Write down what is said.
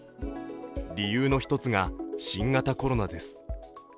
理由の一つが、新型コロナです。